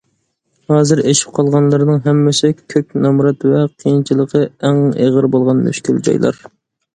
ھازىر ئېشىپ قالغانلىرىنىڭ ھەممىسى كۆك نامرات ۋە قىيىنچىلىقى ئەڭ ئېغىر بولغان مۈشكۈل جايلار.